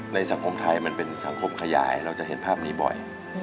สังคมไทยมันเป็นสังคมขยายเราจะเห็นภาพนี้บ่อย